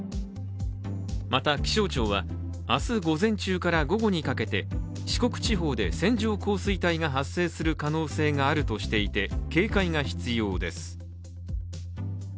また気象庁は、明日午前中から午後にかけて四国地方で線状降水帯が発生する可能性があるとしていて警戒が必要です。